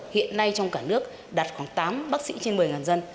hiện nay trong cả nước đạt khoảng tám bác sĩ trên một mươi dân